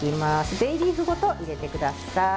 ベイリーフごと入れてください。